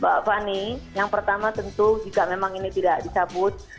mbak fani yang pertama tentu jika memang ini tidak dicabut